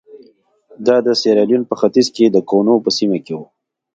دا د سیریلیون په ختیځ کې د کونو په سیمه کې وو.